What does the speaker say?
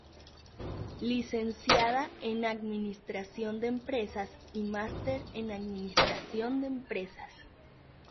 Licenciada en Administración de Empresas y Master en administración de Empresas.